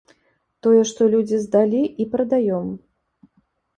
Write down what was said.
Тое, што людзі здалі, і прадаём.